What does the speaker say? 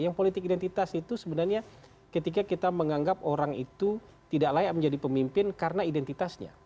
yang politik identitas itu sebenarnya ketika kita menganggap orang itu tidak layak menjadi pemimpin karena identitasnya